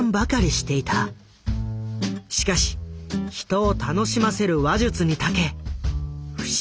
しかし人を楽しませる話術にたけ不思議と好かれていた。